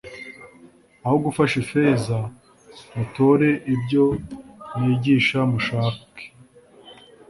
Aho gushaka ifeza mutore ibyo nigisha Mushake